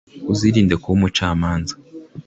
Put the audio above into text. uzirinde kuba umucamanza